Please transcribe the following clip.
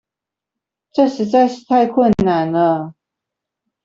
這實在是太困難了